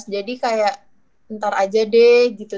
jadi kayak ntar aja deh gitu